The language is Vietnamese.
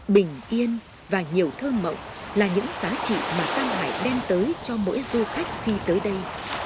bình yên và nhiều thơ mộng là những giá trị mà tam hải đem tới cho mỗi du khách khi tới đây